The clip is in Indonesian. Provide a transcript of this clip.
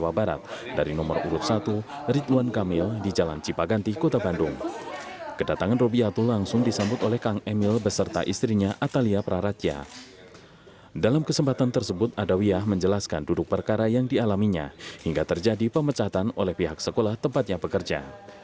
alasannya karena memang saya awalnya sudah ngefans sama pak ridwan dan itu memang pilihan dari hati saya sendiri